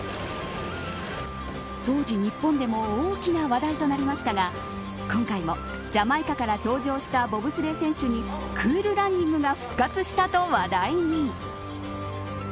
当時、日本でも大きな話題となりましたが今回もジャマイカから登場したボブスレー選手にクール・ランニングが復活したと話題に。